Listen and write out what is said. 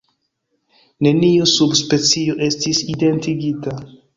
Neniu subspecio estis identigita.